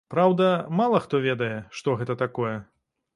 Праўда, мала хто ведае, што гэта такое.